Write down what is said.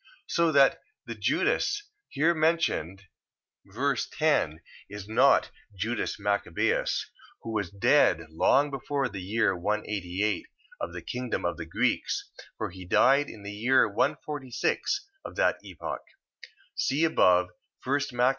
So that the Judas here mentioned, ver. 10, is not Judas Machabeus, who was dead long before the year 188 of the kingdom of the Greeks, for he died in the year 146 of that epoch, (see above 1 Mac.